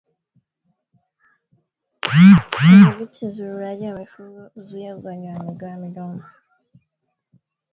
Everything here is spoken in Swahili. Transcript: Kudhibiti uzururaji wa mifugo huzuia ugonjwa wa miguu na midomo